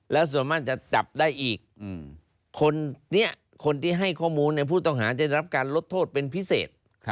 แล้วส่วนมากจะจับได้อีกคนนี้คนที่ให้ข้อมูลผู้ต้องหาจะได้รับการลดโทษเป็นพิเศษ